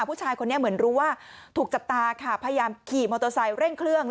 ผู้ชายคนนี้เหมือนรู้ว่าถูกจับตาค่ะพยายามขี่มอเตอร์ไซค์เร่งเครื่อง